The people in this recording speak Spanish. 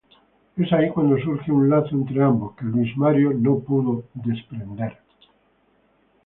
Es ahí cuando surge un lazo entre ambos que Luis Mario no puede desprender.